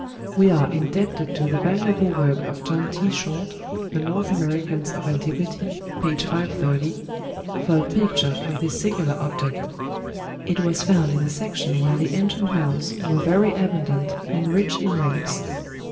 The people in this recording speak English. We are indebted to the valuable work of John T. Short ("The North Americans of Antiquity," p. 530) for a picture of this singular object. It was found in a section where the ancient mounds were very abundant and rich in relics.